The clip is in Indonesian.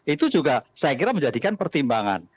itu juga saya kira menjadikan pertimbangan